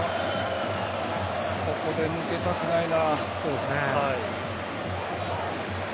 ここで抜けたくないな。